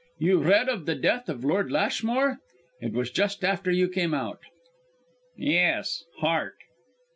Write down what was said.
"You read of the death of Lord Lashmore? It was just after you came out." "Yes heart."